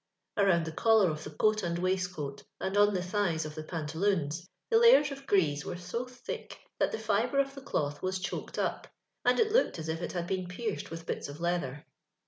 Around tlie collar of the coat and wiii itoont, and on the thighs of tho pautalfj<jns, the luyei s of grease were so tliick that the libro of the cloth was choked up, and it looked as if it had been I'iecrd witli l»its of leatlier.